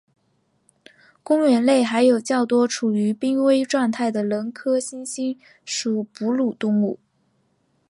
公园内还有较多处于濒危状态的人科猩猩属哺乳动物。